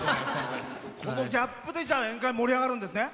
このギャップで宴会盛り上がるんですね。